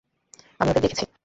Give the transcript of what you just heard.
আমি ওদের দেখছি।